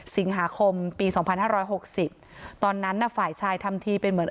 สิงหาคมปี๒๕๖๐ตอนนั้นน่ะฝ่ายชายทำทีเป็นเหมือน